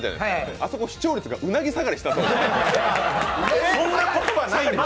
あそこ、視聴率がうなぎ下がりしたそうです。